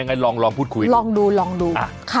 ยังไงลองลองพูดคุยลองดูลองดูอ่าค่ะ